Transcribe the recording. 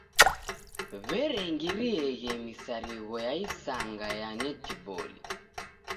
W'erengirieghe misarigho ya isanga ya netiboli.